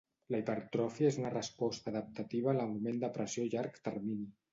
La hipertròfia és una resposta adaptativa a l'augment de pressió a llarg termini.